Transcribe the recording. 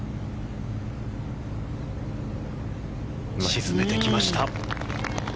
沈めてきました。